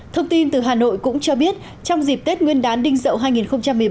thông tin từ hà nội cũng cho biết trong dịp tết nguyên đán đinh dậu hai nghìn một mươi bốn